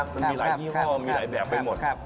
มันมีหลายยี่ห้อมีหลายแบบไปหมด